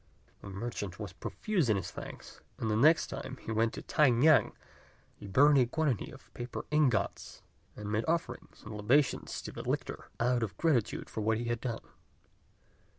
The merchant was profuse in his thanks; and the next time he went to T'ai ngan, he burnt a quantity of paper ingots, and made offerings and libations to the lictor, out of gratitude for what he had done.